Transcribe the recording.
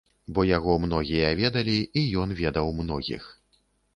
Бо яго многія ведалі, і ён ведаў многіх.